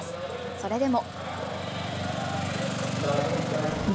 それでも。